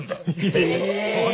ええ？